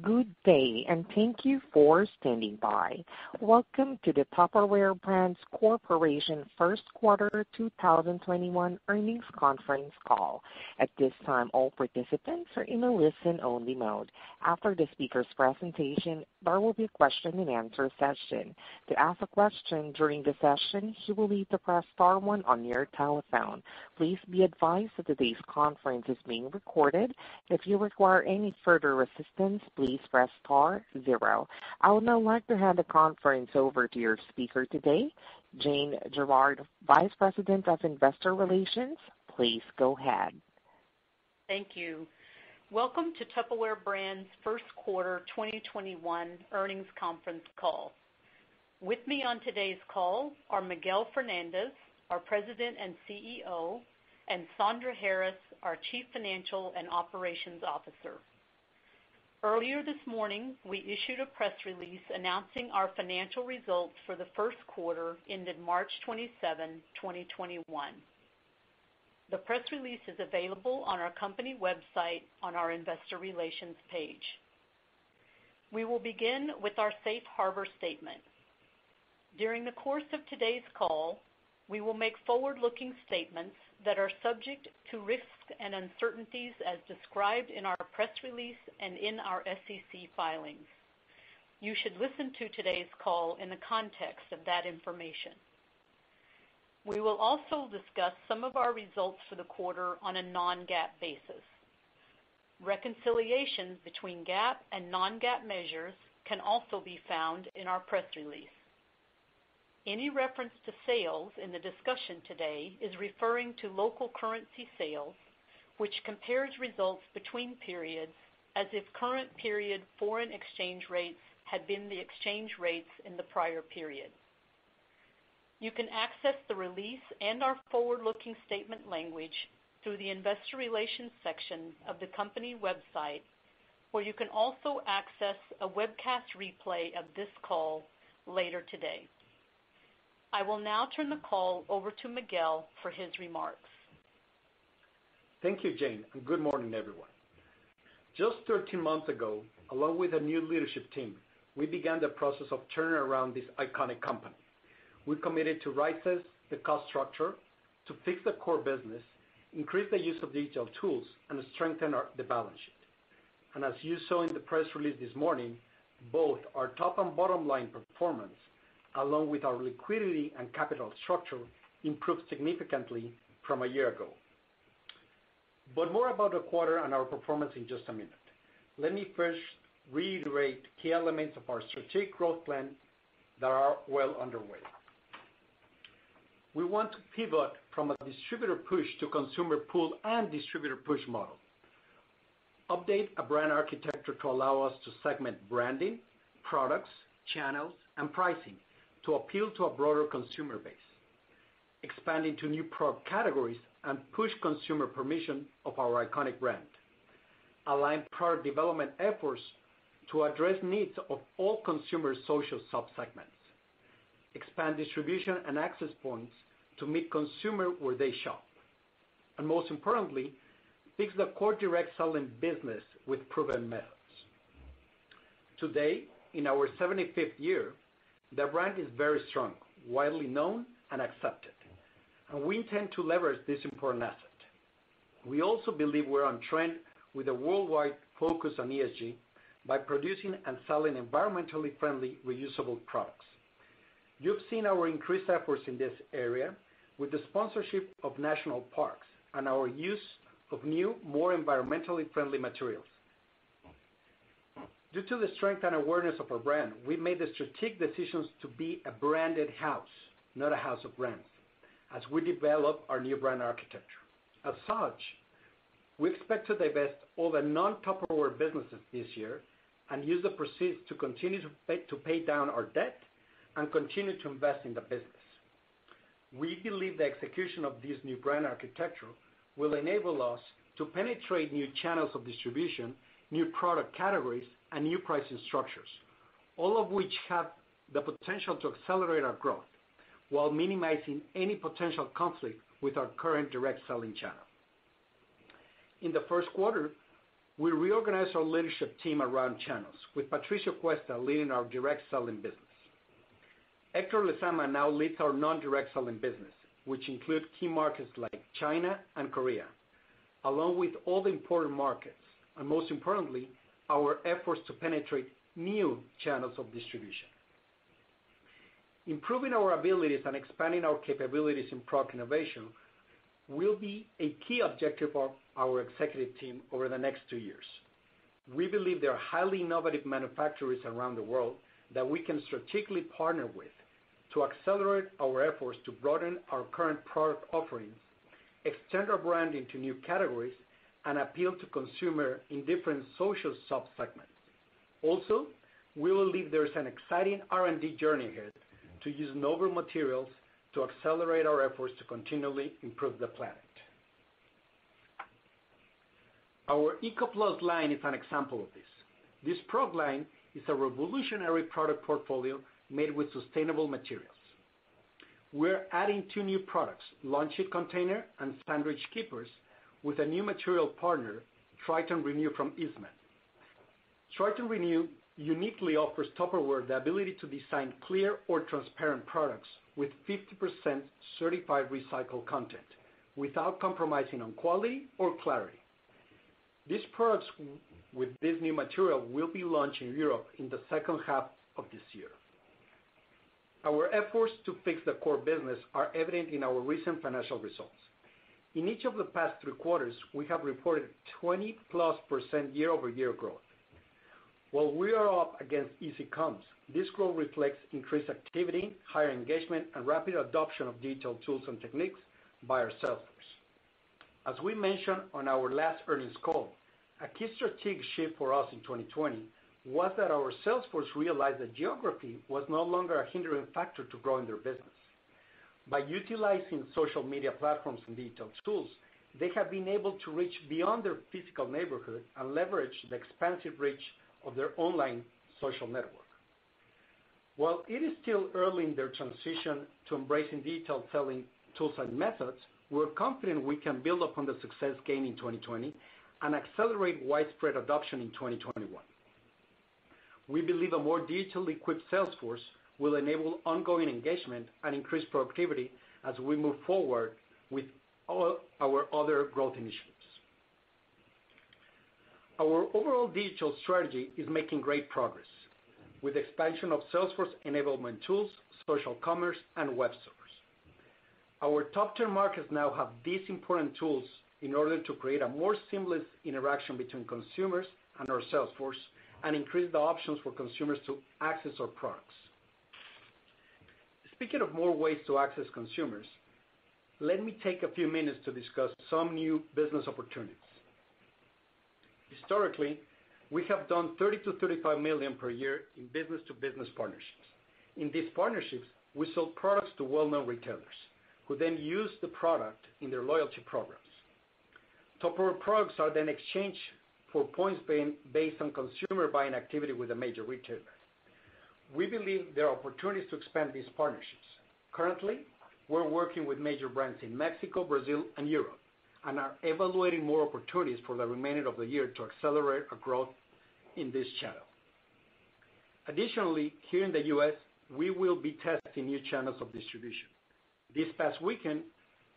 Good day, and thank you for standing by. Welcome to the Tupperware Brands Corporation first quarter 2021 earnings conference call. At this time, all participants are in a listen-only mode. After the speaker's presentation, there will be a question-and-answer session. To ask a question during the session, you will need to press star one on your telephone. Please be advised that today's conference is being recorded. If you require any further assistance, please press star zero. I would now like to hand the conference over to your speaker today, Jane Gerard, Vice President of Investor Relations. Please go ahead. Thank you. Welcome to Tupperware Brands' first-quarter 2021 earnings conference call. With me on today's call are Miguel Fernandez, our President and CEO, and Sandra Harris, our Chief Financial and Operations Officer. Earlier this morning, we issued a press release announcing our financial results for the first quarter ended March 27, 2021. The press release is available on our company website on our investor relations page. We will begin with our safe harbor statement. During the course of today's call, we will make forward-looking statements that are subject to risks and uncertainties as described in our press release and in our SEC filings. You should listen to today's call in the context of that information. We will also discuss some of our results for the quarter on a non-GAAP basis. Reconciliations between GAAP and non-GAAP measures can also be found in our press release. Any reference to sales in the discussion today is referring to local currency sales, which compares results between periods as if current period foreign exchange rates had been the exchange rates in the prior period. You can access the release and our forward-looking statement language through the investor relations section of the company website, where you can also access a webcast replay of this call later today. I will now turn the call over to Miguel for his remarks. Thank you, Jane, and good morning, everyone. Just 13 months ago, along with a new leadership team, we began the process of turning around this iconic company. We committed to rightsize the cost structure, to fix the core business, increase the use of digital tools, and strengthen the balance sheet. As you saw in the press release this morning, both our top and bottom-line performance, along with our liquidity and capital structure, improved significantly from a year ago. More about the quarter and our performance in just a minute. Let me first reiterate key elements of our strategic growth plan that are well underway. We want to pivot from a distributor push to consumer pull and distributor push model, update a brand architecture to allow us to segment branding, products, channels, and pricing to appeal to a broader consumer base, expand into new product categories and push consumer permission of our iconic brand, align product development efforts to address needs of all consumer social subsegments, expand distribution and access points to meet consumer where they shop, and most importantly, fix the core direct selling business with proven methods. Today, in our 75th year, the brand is very strong, widely known, and accepted. We intend to leverage this important asset. We also believe we're on trend with a worldwide focus on ESG by producing and selling environmentally friendly reusable products. You've seen our increased efforts in this area with the sponsorship of national parks and our use of new, more environmentally friendly materials. Due to the strength and awareness of our brand, we made the strategic decisions to be a branded house, not a house of brands, as we develop our new brand architecture. As such, we expect to divest all the non-Tupperware businesses this year and use the proceeds to continue to pay down our debt and continue to invest in the business. We believe the execution of this new brand architecture will enable us to penetrate new channels of distribution, new product categories, and new pricing structures, all of which have the potential to accelerate our growth while minimizing any potential conflict with our current direct selling channel. In the first quarter, we reorganized our leadership team around channels, with Patricio Cuesta leading our direct selling business. Hector Lezama now leads our non-direct selling business, which include key markets like China and Korea, along with all the important markets, and most importantly, our efforts to penetrate new channels of distribution. Improving our abilities and expanding our capabilities in product innovation will be a key objective of our executive team over the next two years. We believe there are highly innovative manufacturers around the world that we can strategically partner with to accelerate our efforts to broaden our current product offerings, extend our branding to new categories, and appeal to consumer in different social subsegments. We believe there's an exciting R&D journey here to use novel materials to accelerate our efforts to continually improve the planet. Our ECO+ line is an example of this. This product line is a revolutionary product portfolio made with sustainable materials. We're adding two new products, Lunch-It Containers and Sandwich Keepers, with a new material partner, Tritan Renew from Eastman. Tritan Renew uniquely offers Tupperware the ability to design clear or transparent products with 50% certified recycled content, without compromising on quality or clarity. These products with this new material will be launched in Europe in the second half of this year. Our efforts to fix the core business are evident in our recent financial results. In each of the past three quarters, we have reported 20%+ year-over-year growth. While we are up against easy comps, this growth reflects increased activity, higher engagement, and rapid adoption of digital tools and techniques by our sales force. As we mentioned on our last earnings call, a key strategic shift for us in 2020 was that our sales force realized that geography was no longer a hindering factor to growing their business. By utilizing social media platforms and digital tools, they have been able to reach beyond their physical neighborhood and leverage the expansive reach of their online social network. While it is still early in their transition to embracing digital selling tools and methods, we're confident we can build upon the success gained in 2020 and accelerate widespread adoption in 2021. We believe a more digitally equipped sales force will enable ongoing engagement and increase productivity as we move forward with all our other growth initiatives. Our overall digital strategy is making great progress, with expansion of sales force enablement tools, social commerce, and web stores. Our top tier markets now have these important tools in order to create a more seamless interaction between consumers and our sales force, and increase the options for consumers to access our products. Speaking of more ways to access consumers, let me take a few minutes to discuss some new business opportunities. Historically, we have done $30 million-$35 million per year in business-to-business partnerships. In these partnerships, we sell products to well-known retailers, who then use the product in their loyalty programs. Tupperware products are then exchanged for points based on consumer buying activity with a major retailer. We believe there are opportunities to expand these partnerships. Currently, we're working with major brands in Mexico, Brazil, and Europe, and are evaluating more opportunities for the remainder of the year to accelerate our growth in this channel. Additionally, here in the U.S., we will be testing new channels of distribution. This past weekend,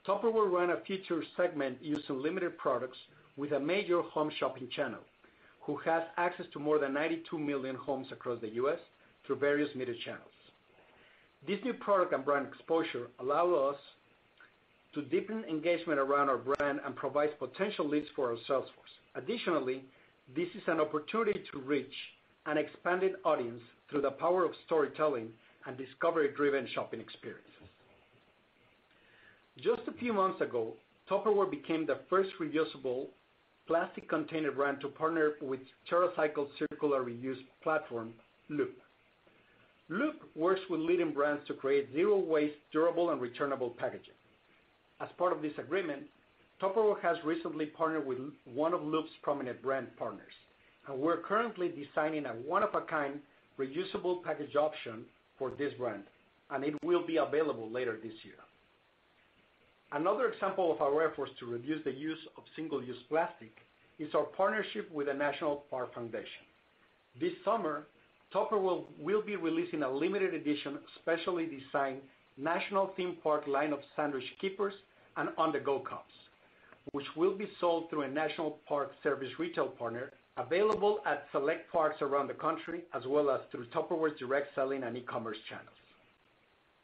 Tupperware ran a featured segment using limited products with a major home shopping channel, who has access to more than 92 million homes across the U.S. through various media channels. This new product and brand exposure allow us to deepen engagement around our brand and provides potential leads for our sales force. Additionally, this is an opportunity to reach an expanded audience through the power of storytelling and discovery-driven shopping experiences. Just a few months ago, Tupperware became the first reusable plastic container brand to partner with TerraCycle's circular reuse platform, Loop. Loop works with leading brands to create zero-waste, durable, and returnable packaging. As part of this agreement, Tupperware has recently partnered with one of Loop's prominent brand partners, and we're currently designing a one-of-a-kind reusable package option for this brand, and it will be available later this year. Another example of our efforts to reduce the use of single-use plastic is our partnership with the National Park Foundation. This summer, Tupperware will be releasing a limited edition, specially designed national theme park line of Sandwich Keepers and On-the-Go Cups, which will be sold through a National Park Service retail partner, available at select parks around the country, as well as through Tupperware's direct selling and e-commerce channels.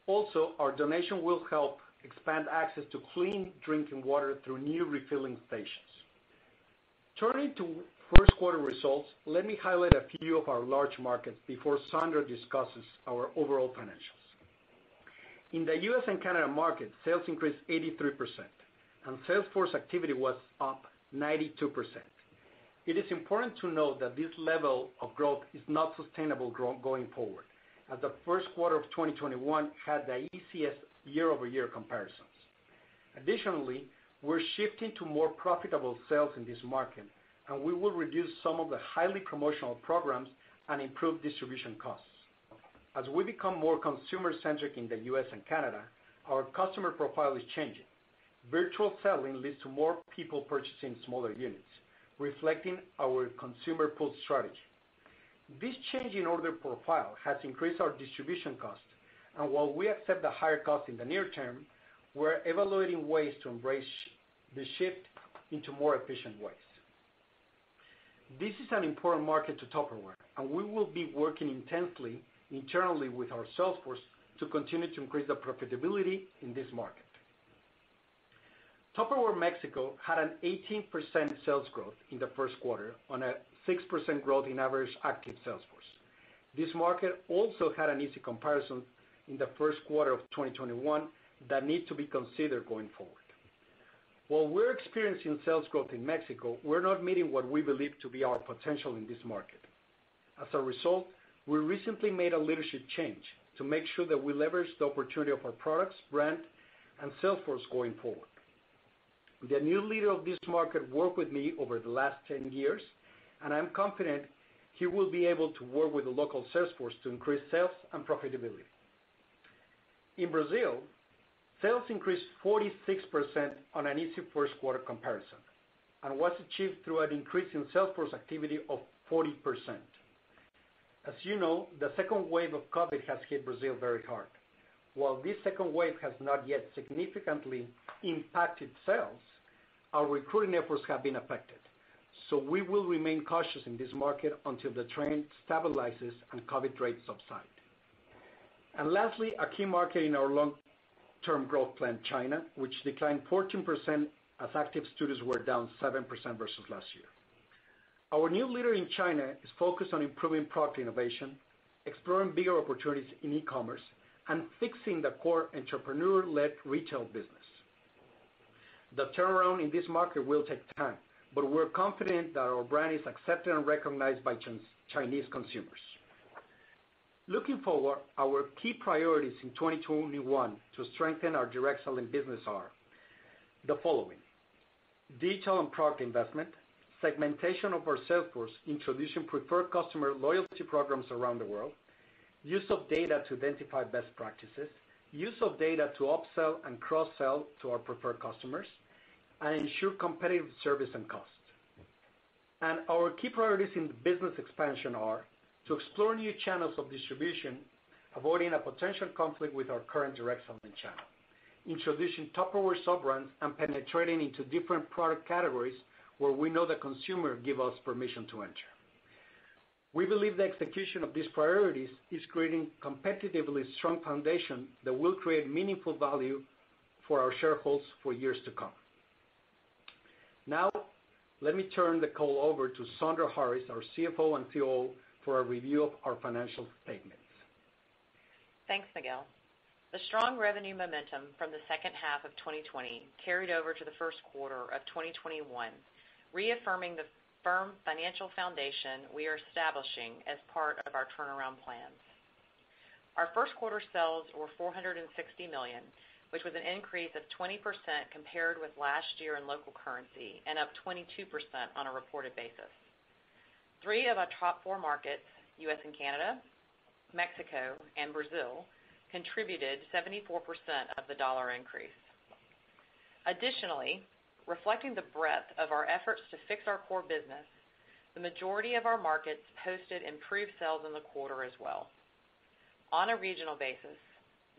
Also, our donation will help expand access to clean drinking water through new refilling stations. Turning to first quarter results, let me highlight a few of our large markets before Sandra discusses our overall financials. In the U.S. and Canada market, sales increased 83%, and sales force activity was up 92%. It is important to note that this level of growth is not sustainable going forward, as the first quarter of 2021 had the easiest year-over-year comparisons. Additionally, we're shifting to more profitable sales in this market, and we will reduce some of the highly promotional programs and improve distribution costs. As we become more consumer-centric in the U.S. and Canada, our customer profile is changing. Virtual selling leads to more people purchasing smaller units, reflecting our consumer pull strategy. This change in order profile has increased our distribution cost, and while we accept the higher cost in the near term, we're evaluating ways to embrace the shift into more efficient ways. This is an important market to Tupperware, and we will be working intensely, internally with our sales force, to continue to increase the profitability in this market. Tupperware Mexico had an 18% sales growth in the first quarter on a 6% growth in average active sales force. This market also had an easy comparison in the first quarter of 2021 that need to be considered going forward. While we're experiencing sales growth in Mexico, we're not meeting what we believe to be our potential in this market. As a result, we recently made a leadership change to make sure that we leverage the opportunity of our products, brand, and sales force going forward. The new leader of this market worked with me over the last 10 years, and I'm confident he will be able to work with the local sales force to increase sales and profitability. In Brazil, sales increased 46% on an easy first quarter comparison and was achieved through an increase in sales force activity of 40%. As you know, the second wave of COVID has hit Brazil very hard. While this second wave has not yet significantly impacted sales, our recruiting efforts have been affected. We will remain cautious in this market until the trend stabilizes and COVID rates subside. Lastly, a key market in our long-term growth plan, China, which declined 14% as active sales force members were down 7% versus last year. Our new leader in China is focused on improving product innovation, exploring bigger opportunities in e-commerce, and fixing the core entrepreneur-led retail business. The turnaround in this market will take time, but we're confident that our brand is accepted and recognized by Chinese consumers. Looking forward, our key priorities in 2021 to strengthen our direct selling business are the following: digital and product investment, segmentation of our sales force, introducing preferred customer loyalty programs around the world, use of data to identify best practices, use of data to upsell and cross-sell to our preferred customers, and ensure competitive service and cost. Our key priorities in the business expansion are to explore new channels of distribution, avoiding a potential conflict with our current direct selling channel, introducing Tupperware sub-brands and penetrating into different product categories where we know the consumer give us permission to enter. We believe the execution of these priorities is creating competitively strong foundation that will create meaningful value for our shareholders for years to come. Let me turn the call over to Sandra Harris, our CFO and COO, for a review of our financial statements. Thanks, Miguel. The strong revenue momentum from the second half of 2020 carried over to the first quarter of 2021, reaffirming the firm financial foundation we are establishing as part of our turnaround plans. Our first quarter sales were $460 million, which was an increase of 20% compared with last year in local currency and up 22% on a reported basis. Three of our top four markets, U.S. and Canada, Mexico, and Brazil, contributed 74% of the dollar increase. Additionally, reflecting the breadth of our efforts to fix our core business, the majority of our markets posted improved sales in the quarter as well. On a regional basis,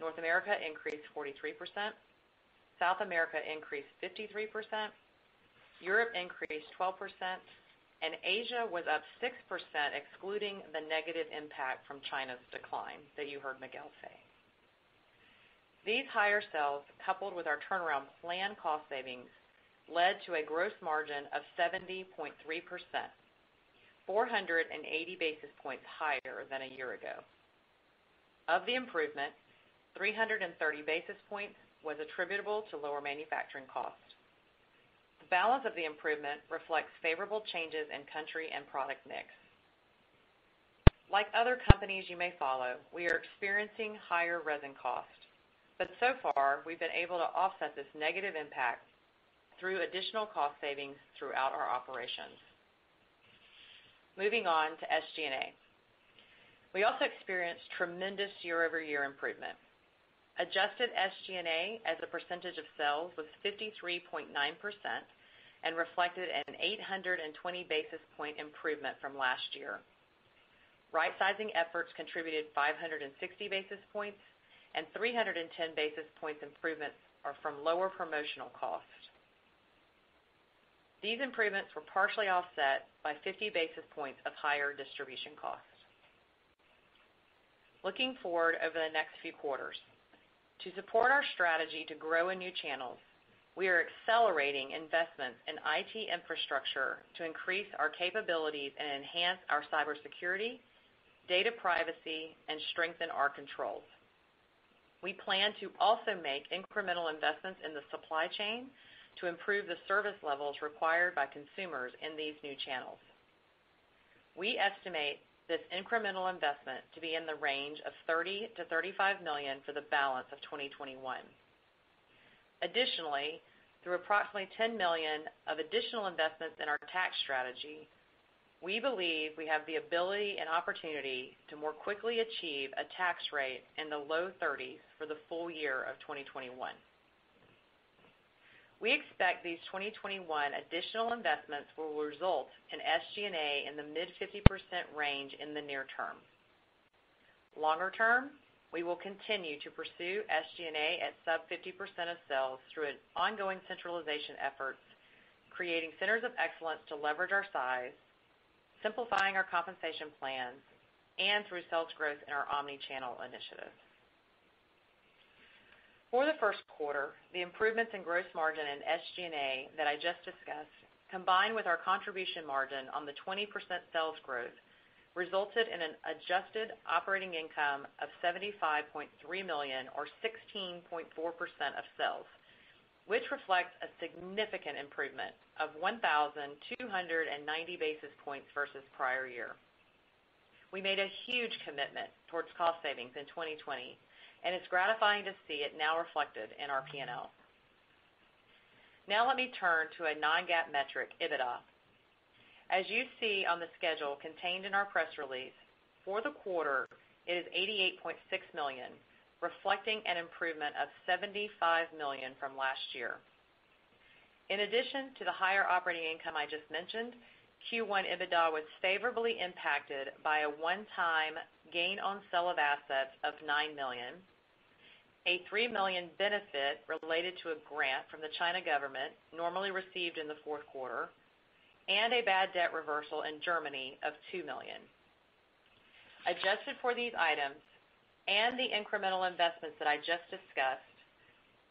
North America increased 43%, South America increased 53%, Europe increased 12%, and Asia was up 6%, excluding the negative impact from China's decline that you heard Miguel say. These higher sales, coupled with our turnaround plan cost savings, led to a gross margin of 70.3%, 480 basis points higher than a year ago. Of the improvement, 330 basis points was attributable to lower manufacturing cost. The balance of the improvement reflects favorable changes in country and product mix. Like other companies you may follow, we are experiencing higher resin cost, but so far, we've been able to offset this negative impact through additional cost savings throughout our operations. Moving on to SG&A. We also experienced tremendous year-over-year improvement. Adjusted SG&A as a percentage of sales was 53.9% and reflected an 820 basis point improvement from last year. Rightsizing efforts contributed 560 basis points, and 310 basis points improvements are from lower promotional costs. These improvements were partially offset by 50 basis points of higher distribution costs. Looking forward over the next few quarters, to support our strategy to grow in new channels, we are accelerating investments in IT infrastructure to increase our capabilities and enhance our cybersecurity, data privacy, and strengthen our controls. We plan to also make incremental investments in the supply chain to improve the service levels required by consumers in these new channels. We estimate this incremental investment to be in the range of $30 million-$35 million for the balance of 2021. Additionally, through approximately $10 million of additional investments in our tax strategy, we believe we have the ability and opportunity to more quickly achieve a tax rate in the low-30s for the full year of 2021. We expect these 2021 additional investments will result in SG&A in the mid-50% range in the near term. Longer term, we will continue to pursue SG&A at sub 50% of sales through an ongoing centralization effort, creating centers of excellence to leverage our size, simplifying our compensation plans, and through sales growth in our omnichannel initiatives. For the first quarter, the improvements in gross margin and SG&A that I just discussed, combined with our contribution margin on the 20% sales growth, resulted in an adjusted operating income of $75.3 million or 16.4% of sales, which reflects a significant improvement of 1,290 basis points versus prior year. We made a huge commitment towards cost savings in 2020, and it's gratifying to see it now reflected in our P&L. Let me turn to a non-GAAP metric, EBITDA. As you see on the schedule contained in our press release, for the quarter, it is $88.6 million, reflecting an improvement of $75 million from last year. In addition to the higher operating income I just mentioned, Q1 EBITDA was favorably impacted by a one-time gain on sale of assets of $9 million, a $3 million benefit related to a grant from the China government normally received in the fourth quarter, and a bad debt reversal in Germany of $2 million. Adjusted for these items and the incremental investments that I just discussed,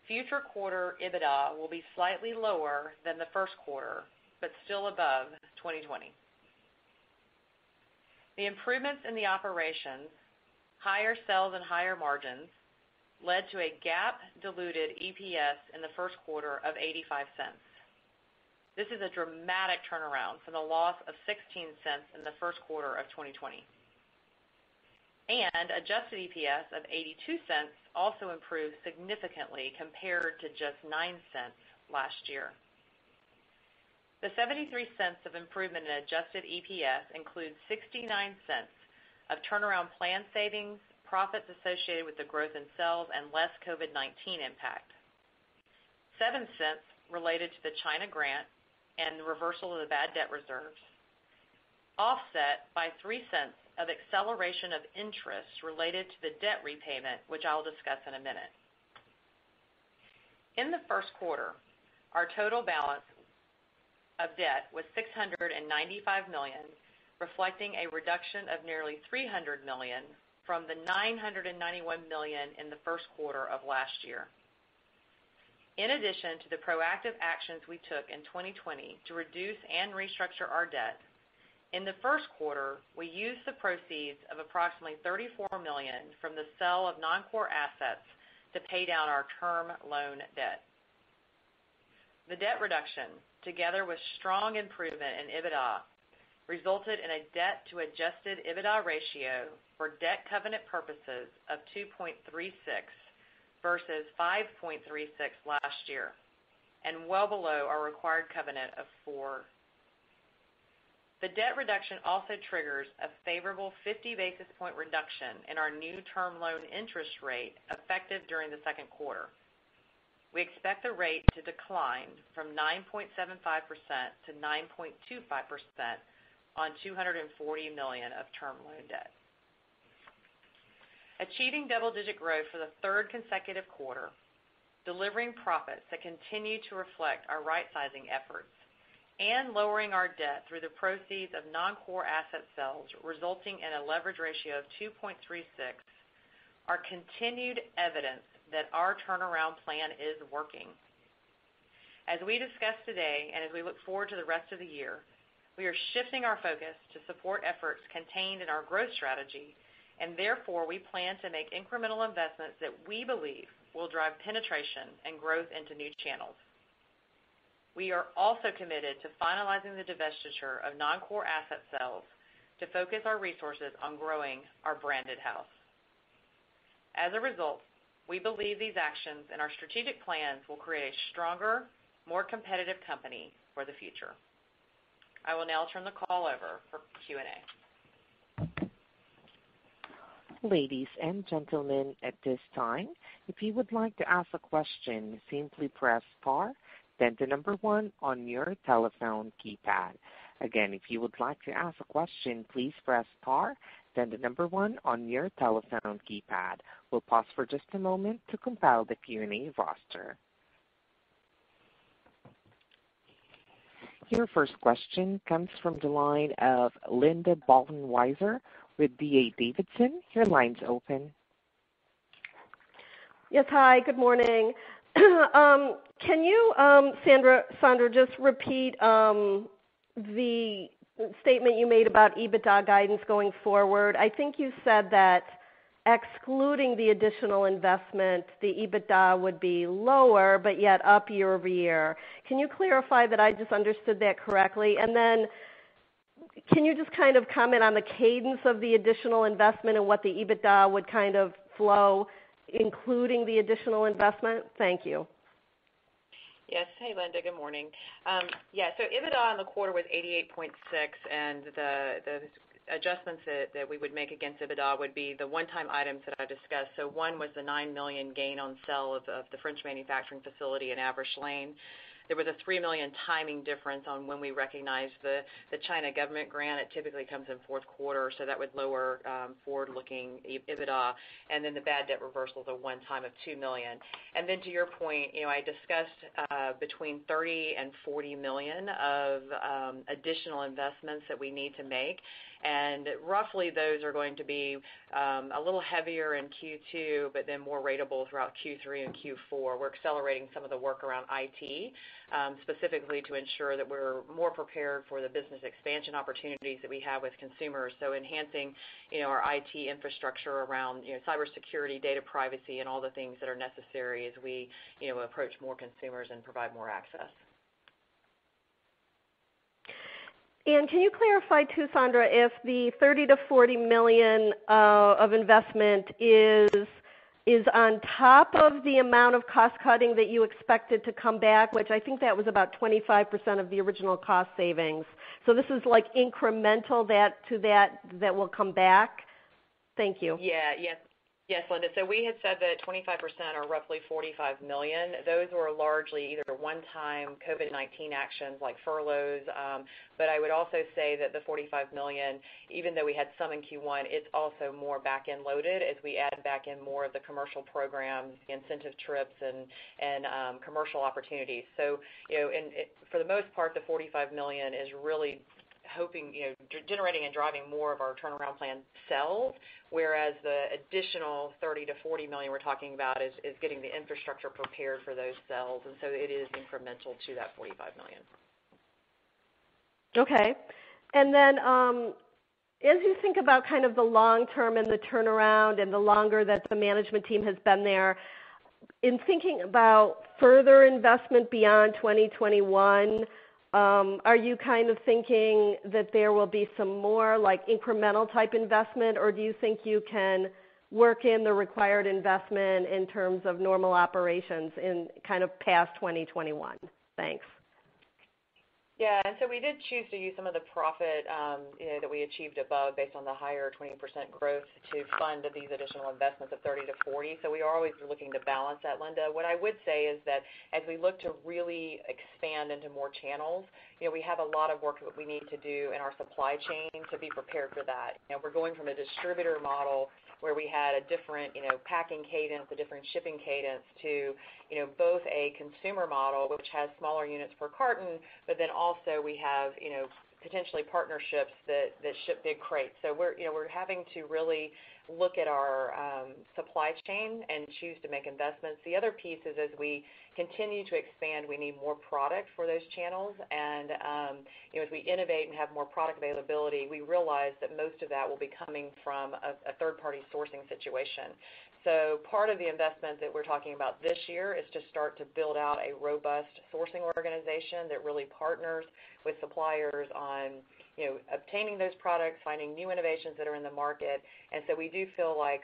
future quarter EBITDA will be slightly lower than the first quarter, but still above 2020. The improvements in the operations, higher sales, and higher margins led to a GAAP diluted EPS in the first quarter of $0.85. This is a dramatic turnaround from the loss of $0.16 in the first quarter of 2020. Adjusted EPS of $0.82 also improved significantly compared to just $0.09 last year. The $0.73 of improvement in adjusted EPS includes $0.69 of turnaround plan savings, profits associated with the growth in sales, and less COVID-19 impact. $0.07 related to the China grant and the reversal of the bad debt reserves, offset by $0.03 of acceleration of interest related to the debt repayment, which I'll discuss in a minute. In the first quarter, our total balance of debt was $695 million, reflecting a reduction of nearly $300 million from the $991 million in the first quarter of last year. In addition to the proactive actions we took in 2020 to reduce and restructure our debt, in the first quarter, we used the proceeds of approximately $34 million from the sale of non-core assets to pay down our term loan debt. The debt reduction, together with strong improvement in EBITDA, resulted in a debt-to-adjusted EBITDA ratio for debt covenant purposes of 2.36 versus 5.36 last year, and well below our required covenant of four. The debt reduction also triggers a favorable 50 basis point reduction in our new term loan interest rate effective during the second quarter. We expect the rate to decline from 9.75%-9.25% on $240 million of term loan debt. Achieving double-digit growth for the third consecutive quarter, delivering profits that continue to reflect our rightsizing efforts, and lowering our debt through the proceeds of non-core asset sales, resulting in a leverage ratio of 2.36, are continued evidence that our turnaround plan is working. As we discussed today, and as we look forward to the rest of the year, we are shifting our focus to support efforts contained in our growth strategy, and therefore, we plan to make incremental investments that we believe will drive penetration and growth into new channels. We are also committed to finalizing the divestiture of non-core asset sales to focus our resources on growing our branded house. As a result, we believe these actions and our strategic plans will create a stronger, more competitive company for the future. I will now turn the call over for Q&A. Ladies and gentlemen, at this time, if you would like to ask a question, simply press star, then the number one on your telephone keypad. Again, if you would like to ask a question, please press star, then the number one on your telephone keypad. We'll pause for just a moment to compile the Q&A roster. Your first question comes from the line of Linda Bolton Weiser with D.A. Davidson. Your line's open. Yes. Hi, good morning. Can you, Sandra, just repeat the statement you made about EBITDA guidance going forward? I think you said that excluding the additional investment, the EBITDA would be lower, but yet up year-over-year. Can you clarify that I just understood that correctly? Then can you just comment on the cadence of the additional investment and what the EBITDA would flow, including the additional investment? Thank you. Yes. Hey, Linda. Good morning. Yeah. EBITDA on the quarter was $88.6, and the adjustments that we would make against EBITDA would be the one-time items that I discussed. One was the $9 million gain on sale of the French manufacturing facility in Joué-lès-Tours. There was a $3 million timing difference on when we recognize the China government grant. It typically comes in the fourth quarter, so that would lower forward-looking EBITDA. The bad debt reversal is a one-time of $2 million. To your point, I discussed between $30 million and $40 million of additional investments that we need to make. Roughly, those are going to be a little heavier in Q2, but then more ratable throughout Q3 and Q4. We're accelerating some of the work around IT, specifically to ensure that we're more prepared for the business expansion opportunities that we have with consumers. Enhancing our IT infrastructure around cybersecurity, data privacy, and all the things that are necessary as we approach more consumers and provide more access. Can you clarify too, Sandra, if the $30 million-$40 million of investment is on top of the amount of cost-cutting that you expected to come back, which I think that was about 25% of the original cost savings. This is incremental to that will come back? Thank you. Yes, Linda. We had said that 25%, or roughly $45 million, those were largely either one-time COVID-19 actions, like furloughs. I would also say that the $45 million, even though we had some in Q1, it's also more back-end loaded as we add back in more of the commercial programs, the incentive trips, and commercial opportunities. For the most part, the $45 million is really generating and driving more of our turnaround plan sales, whereas the additional $30 million-$40 million we're talking about is getting the infrastructure prepared for those sales. It is incremental to that $45 million. Okay. As you think about the long term and the turnaround and the longer that the management team has been there, in thinking about further investment beyond 2021, are you thinking that there will be some more incremental type investment, or do you think you can work in the required investment in terms of normal operations in past 2021? Thanks. Yeah. We did choose to use some of the profit that we achieved above based on the higher 20% growth to fund these additional investments of $30-$40. We are always looking to balance that, Linda. What I would say is that as we look to really expand into more channels, we have a lot of work that we need to do in our supply chain to be prepared for that. We're going from a distributor model where we had a different packing cadence, a different shipping cadence to both a consumer model, which has smaller units per carton, but then also we have potentially partnerships that ship big crates. We're having to really look at our supply chain and choose to make investments. The other piece is, as we continue to expand, we need more product for those channels. As we innovate and have more product availability, we realize that most of that will be coming from a third-party sourcing situation. Part of the investment that we're talking about this year is to start to build out a robust sourcing organization that really partners with suppliers on obtaining those products, finding new innovations that are in the market. We do feel like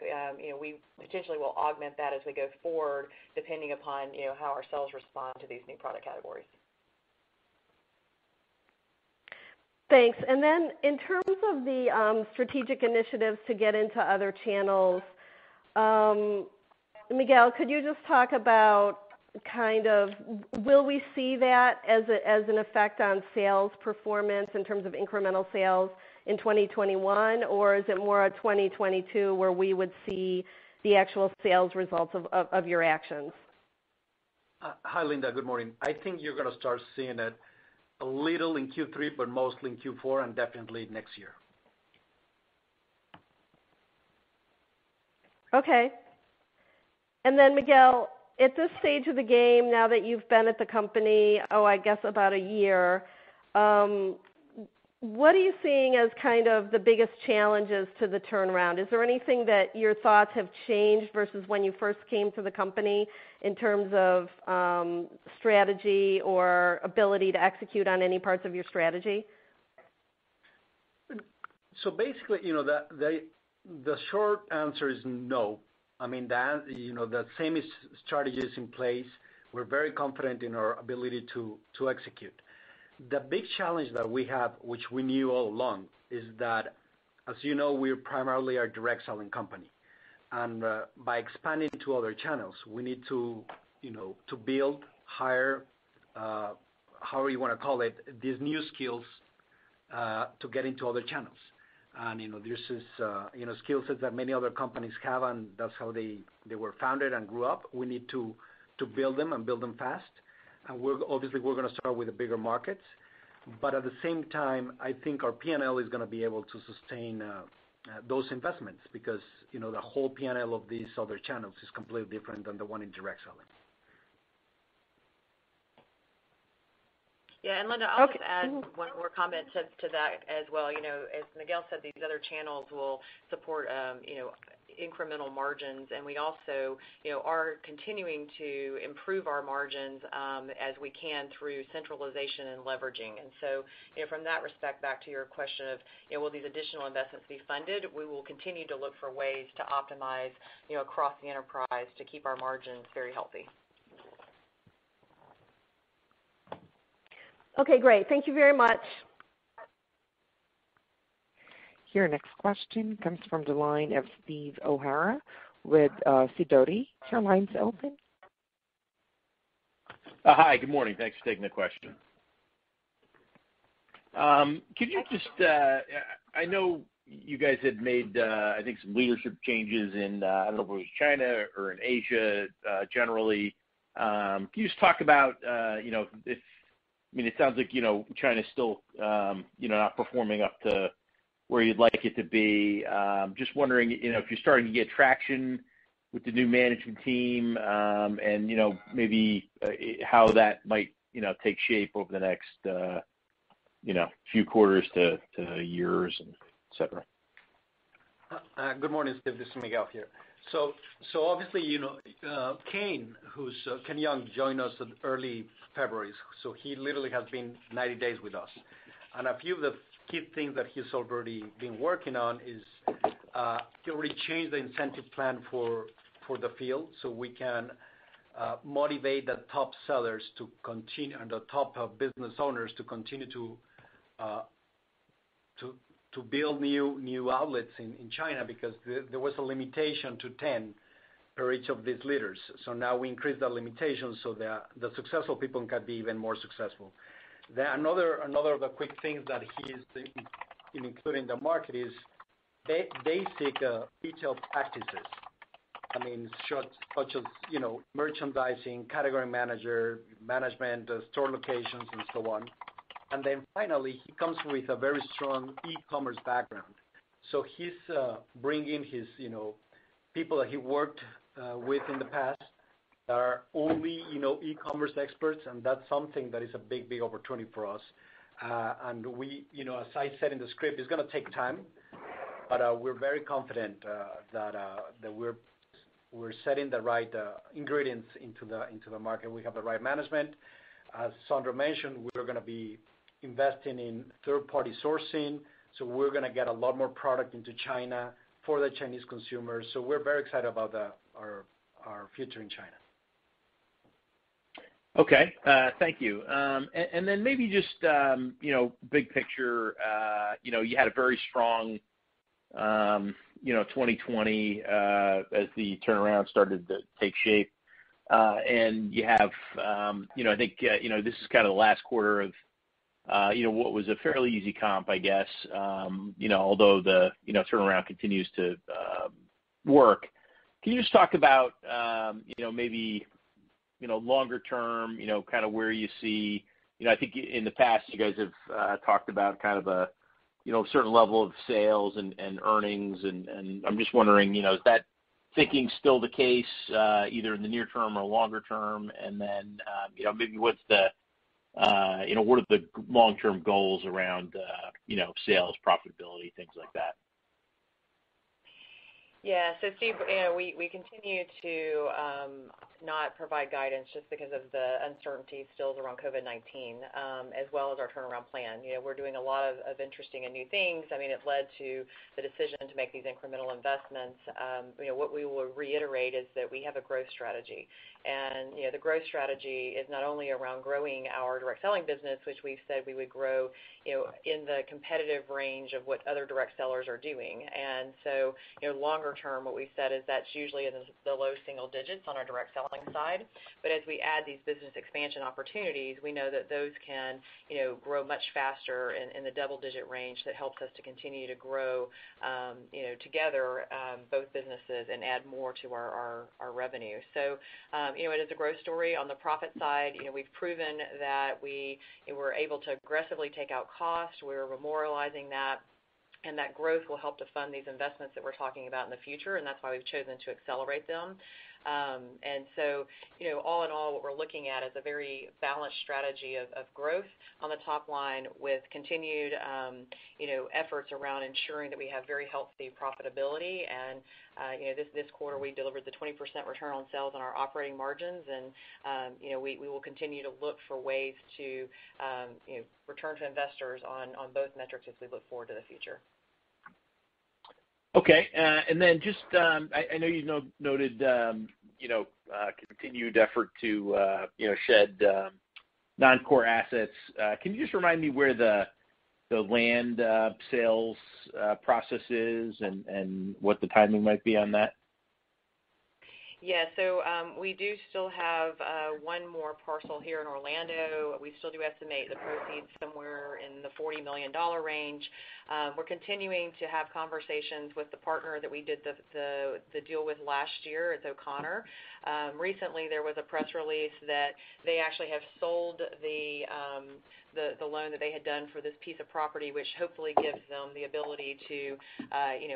we potentially will augment that as we go forward, depending upon how our sales respond to these new product categories. Thanks. Then in terms of the strategic initiatives to get into other channels, Miguel, could you just talk about will we see that as an effect on sales performance in terms of incremental sales in 2021, or is it more a 2022 where we would see the actual sales results of your actions? Hi, Linda. Good morning. I think you're going to start seeing it a little in Q3, but mostly in Q4, and definitely next year. Okay. Then Miguel, at this stage of the game, now that you've been at the company, I guess about one year, what are you seeing as the biggest challenges to the turnaround? Is there anything that your thoughts have changed versus when you first came to the company in terms of strategy or ability to execute on any parts of your strategy? Basically, the short answer is no. The same strategy is in place. We're very confident in our ability to execute. The big challenge that we have, which we knew all along, is that, as you know, we primarily are a direct selling company. By expanding to other channels, we need to build, hire, however you want to call it, these new skills to get into other channels. These are skill sets that many other companies have, and that's how they were founded and grew up. We need to build them and build them fast. Obviously, we're going to start with the bigger markets. At the same time, I think our P&L is going to be able to sustain those investments because the whole P&L of these other channels is completely different than the one in direct selling. Yeah, Linda, I'll just add one more comment to that as well. As Miguel said, these other channels will support incremental margins, and we also are continuing to improve our margins as we can through centralization and leveraging. From that respect, back to your question of will these additional investments be funded, we will continue to look for ways to optimize across the enterprise to keep our margins very healthy. Okay, great. Thank you very much. Your next question comes from the line of Steve O'Hara with Sidoti. Is your line still open? Hi. Good morning. Thanks for taking the question. I know you guys had made, I think, some leadership changes in, I don't know if it was China or in Asia, generally. Can you just talk about if It sounds like China's still not performing up to where you'd like it to be. Just wondering if you're starting to get traction with the new management team, and maybe how that might take shape over the next few quarters to years, et cetera. Good morning, Steve. This is Miguel here. Obviously, Ken Young joined us in early February, so he literally has been 90 days with us. A few of the key things that he's already been working on is to really change the incentive plan for the field, so we can motivate the top sellers and the top business owners to continue to build new outlets in China, because there was a limitation to 10 for each of these leaders. Now we increase that limitation so the successful people can be even more successful. Another of the quick things that he is including in the market is basic retail practices. Such as merchandising, category management, store locations, and so on. Finally, he comes with a very strong e-commerce background. He's bringing his people that he worked with in the past that are only e-commerce experts, and that's something that is a big opportunity for us. As I said in the script, it's going to take time, but we're very confident that we're setting the right ingredients into the market. We have the right management. As Sandra mentioned, we're going to be investing in third-party sourcing, so we're going to get a lot more product into China for the Chinese consumers. We're very excited about our future in China. Okay. Thank you. Maybe just big picture, you had a very strong 2020 as the turnaround started to take shape. I think this is kind of the last quarter of what was a fairly easy comp, I guess, although the turnaround continues to work. Can you just talk about maybe longer term, kind of where you see I think in the past, you guys have talked about kind of a certain level of sales and earnings, and I'm just wondering, is that thinking still the case, either in the near term or longer term? Maybe what are the long-term goals around sales, profitability, things like that? Steve, we continue to not provide guidance just because of the uncertainty still around COVID-19, as well as our turnaround plan. We're doing a lot of interesting and new things. It led to the decision to make these incremental investments. What we will reiterate is that we have a growth strategy, and the growth strategy is not only around growing our direct selling business, which we've said we would grow in the competitive range of what other direct sellers are doing. Longer term, what we've said is that's usually in the low single digits on our direct selling side. As we add these business expansion opportunities, we know that those can grow much faster in the double-digit range. That helps us to continue to grow together both businesses and add more to our revenue. It is a growth story. On the profit side, we've proven that we were able to aggressively take out costs. We're memorializing that, and that growth will help to fund these investments that we're talking about in the future, and that's why we've chosen to accelerate them. All in all, what we're looking at is a very balanced strategy of growth on the top line with continued efforts around ensuring that we have very healthy profitability. This quarter, we delivered the 20% return on sales on our operating margins, and we will continue to look for ways to return to investors on both metrics as we look forward to the future. Okay. Just, I know you noted continued effort to shed non-core assets. Can you just remind me where the land sales process is and what the timing might be on that? Yeah. We do still have one more parcel here in Orlando. We still do estimate the proceeds somewhere in the $40 million range. We're continuing to have conversations with the partner that we did the deal with last year, it's O'Connor. Recently, there was a press release that they actually have sold the loan that they had done for this piece of property, which hopefully gives them the ability to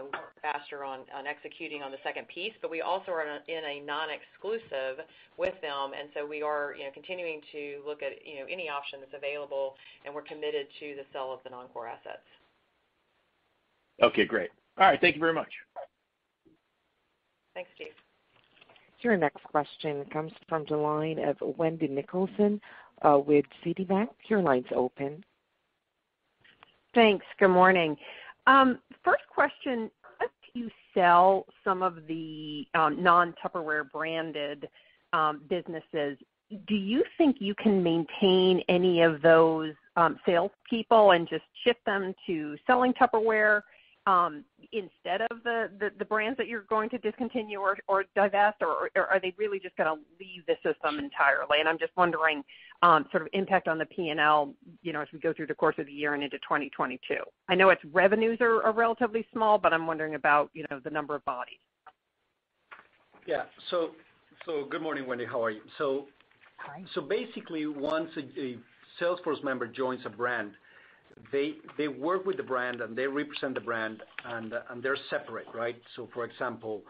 work faster on executing on the second piece. We also are in a non-exclusive with them, and so we are continuing to look at any option that's available, and we're committed to the sale of the non-core assets. Okay, great. All right. Thank you very much. Thanks, Steve. Sure. Next question comes from the line of Wendy Nicholson with Citibank. Your line's open. Thanks. Good morning. First question, as you sell some of the non-Tupperware branded businesses, do you think you can maintain any of those salespeople and just shift them to selling Tupperware instead of the brands that you're going to discontinue or divest, or are they really just going to leave the system entirely? I'm just wondering sort of impact on the P&L, as we go through the course of the year and into 2022. I know its revenues are relatively small, but I'm wondering about the number of bodies. Yeah. good morning, Wendy. How are you? Hi. Basically, once a sales force member joins a brand, they work with the brand and they represent the brand, and they're separate, right? For example,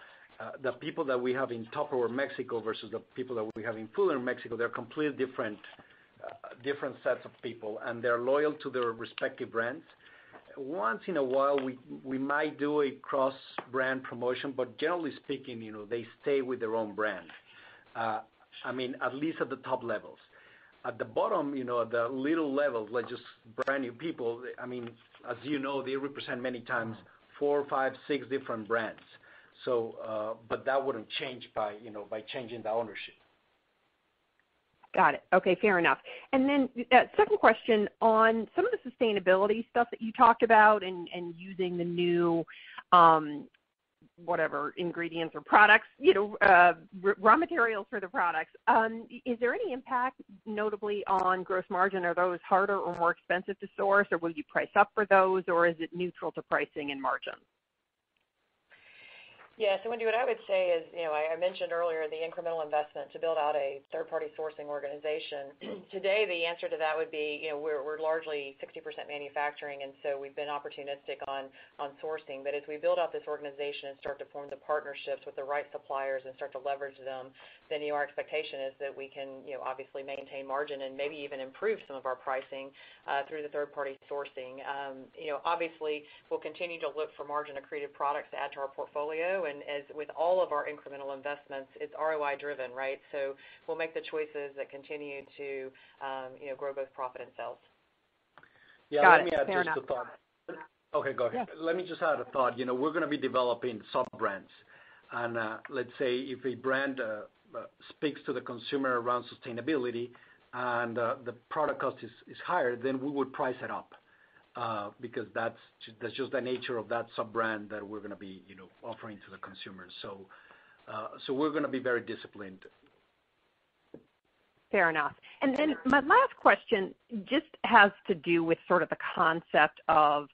the people that we have in Tupperware Mexico versus the people that we have in Fuller Mexico, they're completely different sets of people, and they're loyal to their respective brands. Once in a while, we might do a cross-brand promotion, generally speaking, they stay with their own brand. At least at the top levels. At the bottom, the little levels, like just brand-new people, as you know, they represent many times four, five, six different brands. That wouldn't change by changing the ownership. Got it. Okay, fair enough. Then, second question on some of the sustainability stuff that you talked about and using the new, whatever, ingredients or products, raw materials for the products. Is there any impact notably on gross margin? Are those harder or more expensive to source, or will you price up for those, or is it neutral to pricing and margin? Yeah. Wendy, what I would say is, I mentioned earlier the incremental investment to build out a third-party sourcing organization. Today, the answer to that would be, we're largely 60% manufacturing. We've been opportunistic on sourcing. As we build out this organization and start to form the partnerships with the right suppliers and start to leverage them, then our expectation is that we can obviously maintain margin and maybe even improve some of our pricing, through the third-party sourcing. Obviously, we'll continue to look for margin and creative products to add to our portfolio. As with all of our incremental investments, it's ROI-driven, right? We'll make the choices that continue to grow both profit and sales. Got it. Fair enough. Yeah, let me add just a thought. Okay, go ahead. Yeah. Let me just add a thought. We're going to be developing sub-brands. Let's say if a brand speaks to the consumer around sustainability and the product cost is higher, then we would price it up, because that's just the nature of that sub-brand that we're going to be offering to the consumer. We're going to be very disciplined. Fair enough. My last question just has to do with sort of the concept of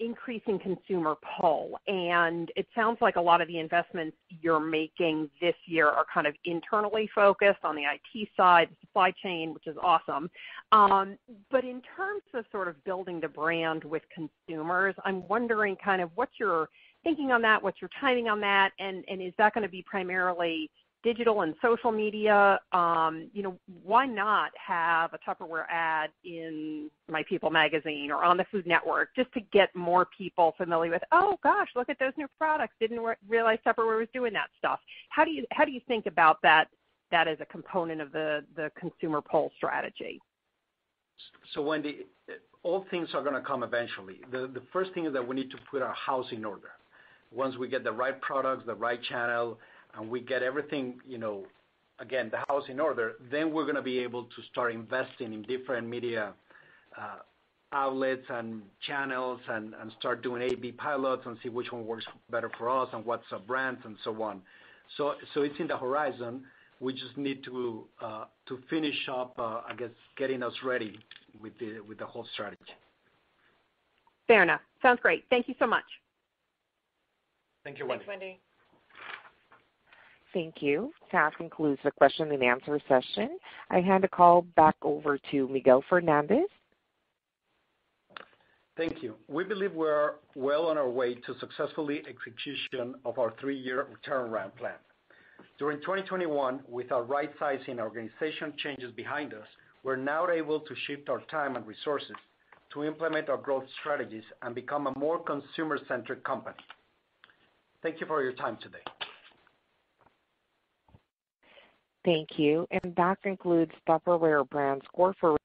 increasing consumer pull. It sounds like a lot of the investments you're making this year are kind of internally focused on the IT side, supply chain, which is awesome. In terms of sort of building the brand with consumers, I'm wondering kind of what's your thinking on that, what's your timing on that, and is that going to be primarily digital and social media? Why not have a Tupperware ad in my "People" magazine or on the Food Network just to get more people familiar with, "Oh, gosh, look at those new products. Didn't realize Tupperware was doing that stuff." How do you think about that as a component of the consumer pull strategy? Wendy, all things are going to come eventually. The first thing is that we need to put our house in order. Once we get the right products, the right channel, and we get everything, again, the house in order, then we're going to be able to start investing in different media outlets and channels and start doing AB pilots and see which one works better for us and what sub-brands and so on. It's in the horizon. We just need to finish up, I guess, getting us ready with the whole strategy. Fair enough. Sounds great. Thank you so much. Thank you, Wendy. Thanks, Wendy. Thank you. That concludes the question and answer session. I hand the call back over to Miguel Fernandez. Thank you. We believe we are well on our way to successful execution of our three-year turnaround plan. During 2021, with our right-sizing organization changes behind us, we're now able to shift our time and resources to implement our growth strategies and become a more consumer-centric company. Thank you for your time today. Thank you. That concludes Tupperware Brands Corporation.